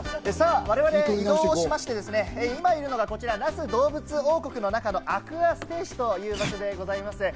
我々移動しまして、今いるのがこちら那須どうぶつ王国の中のアクアステージということでございまして。